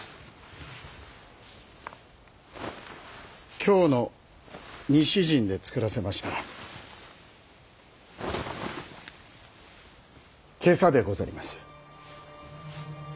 京の西陣で作らせました袈裟でござります。